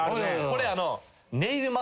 これ。